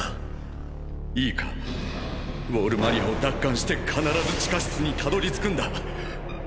いいかウォール・マリアを奪還して必ず地下室にたどりつくんだ。